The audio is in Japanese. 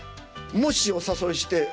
もしお誘いして。